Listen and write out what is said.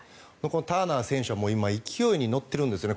ターナー選手は今、勢いに乗ってるんですよね。